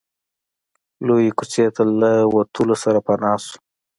لويې کوڅې ته له وتلو سره پناه شو.